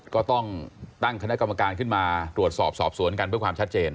ก็ต้องตั้งคณะกรรมการขึ้นมาตรวจสอบสอบสวนกันเพื่อความชัดเจน